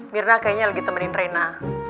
mirna kayaknya lagi temenin rena